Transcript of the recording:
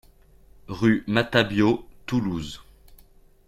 Rue Matabiau, Toulouse